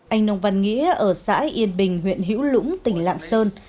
anh nông văn nghĩa ở xã yên bình huyện hữu lũng tỉnh lạng sơn